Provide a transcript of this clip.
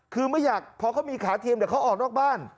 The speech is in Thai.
คือไม่อยากพอเขามีขาเทียมเดี๋ยวเขาออกนอกบ้าน